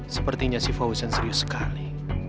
sepertinya si fauzen serius sekali